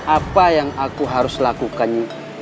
apa yang aku harus lakukan